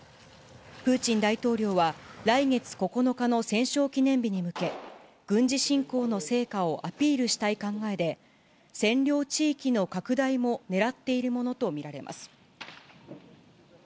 プーチン大統領は来月９日の戦勝記念日に向け、軍事侵攻の成果をアピールしたい考えで、占領地域の拡大もねらっているものと見られます。